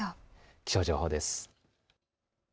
気象情報です。